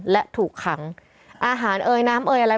และถูกขังอาหารเอ่ยน้ำเอยอะไร